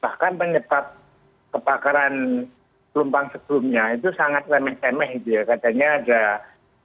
bahkan penyebab kebakaran pelumpang sebelumnya itu sangat lemeh lemih gitu ya